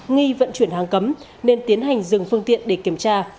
nghi vận chuyển hàng cấm nên tiến hành dừng phương tiện để kiểm tra